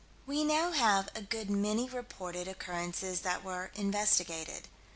We now have a good many reported occurrences that were "investigated."